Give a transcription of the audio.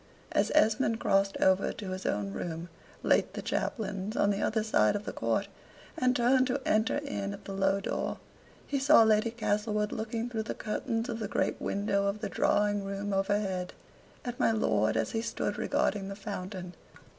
As Esmond crossed over to his own room, late the chaplain's, on the other side of the court, and turned to enter in at the low door, he saw Lady Castlewood looking through the curtains of the great window of the drawing room overhead, at my lord as he stood regarding the fountain.